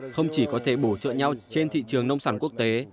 không chỉ có thể bổ trợ nhau trên thị trường nông sản quốc tế